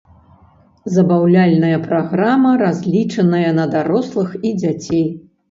Забаўляльная праграма разлічаная на дарослых і дзяцей.